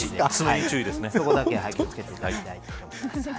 そこだけ気を付けていただきたいと思います。